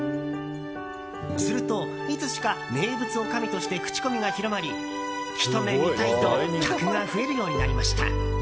すると、いつしか名物おかみとして口コミが広がりひと目見たいと客が増えるようになりました。